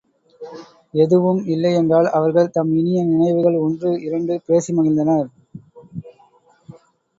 எதுவும் இல்லையென்றால் அவர்கள் தம் இனிய நினைவுகள் ஒன்று இரண்டு பேசி மகிழ்ந்தனர்.